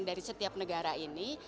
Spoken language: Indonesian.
dari setiap negara ini